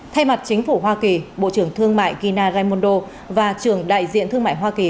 thay mặt chính phủ hoa kỳ bộ trưởng thương mại gina raimondo và trưởng đại diện thương mại hoa kỳ